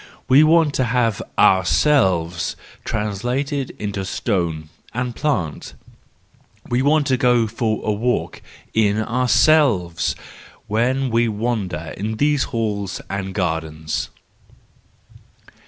We want to have ourselves translated into stone and plant, we want to go for a walk in ourselves when we wander in these halls and gardens.